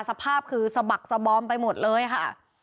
สภาพคือสะบักสบอมไปหมดเลยค่ะ